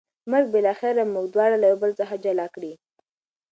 مرګ به بالاخره موږ دواړه له یو بل څخه جلا کړي.